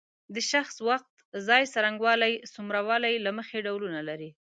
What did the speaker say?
د شخص وخت ځای څرنګوالی څومره والی له مخې ډولونه لري.